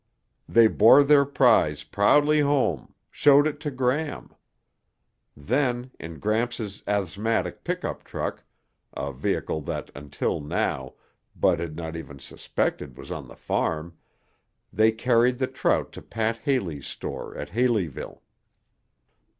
They bore their prize proudly home, showed it to Gram. Then, in Gramps' asthmatic pickup truck a vehicle that, until now, Bud had not even suspected was on the farm they carried the trout to Pat Haley's store at Haleyville.